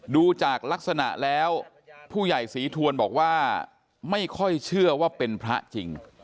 ดูจากลักษณะแล้วผู้ใหญ่ศรีทวนบอกว่าไม่ค่อยเชื่อว่าเป็นพระจริง